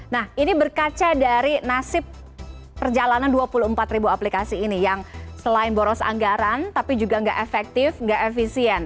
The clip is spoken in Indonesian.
nah ini berkaca dari nasib perjalanan dua puluh empat ribu aplikasi ini yang selain boros anggaran tapi juga nggak efektif nggak efisien